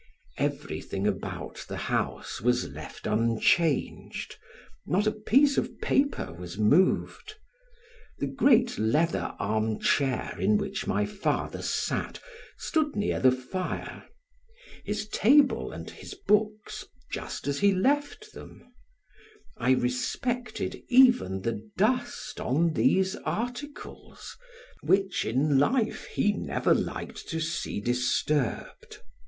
Everything about the house was left unchanged, not a piece of paper was moved. The great leather armchair in which my father sat, stood near the fire; his table and his books, just as he left them; I respected even the dust on these articles, which in life, he never liked to see disturbed.